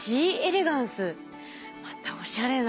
またおしゃれな。